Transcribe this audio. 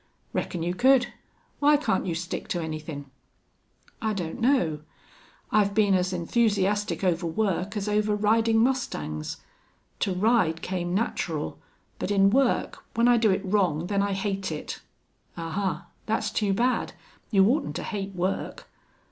"Reckon you could. Why can't you stick to anythin'?" "I don't know. I've been as enthusiastic over work as over riding mustangs. To ride came natural, but in work, when I do it wrong, then I hate it." "Ahuh! That's too bad. You oughtn't to hate work.